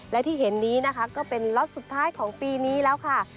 และที่เห็นนี้นะคะก็เป็นล็อตสุดท้ายของปีนี้แล้วค่ะ